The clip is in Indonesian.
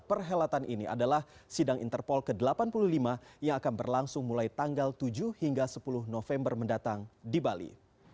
perhelatan ini adalah sidang interpol ke delapan puluh lima yang akan berlangsung mulai tanggal tujuh hingga sepuluh november mendatang di bali